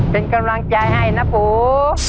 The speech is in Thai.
เป็นกำลังใจให้นะปู